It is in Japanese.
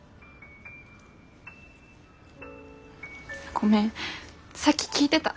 ごめんさっき聞いてた。